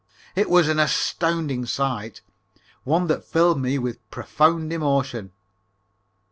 It was an astounding sight. One that filled me with profound emotion.